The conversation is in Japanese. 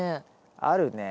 あるね。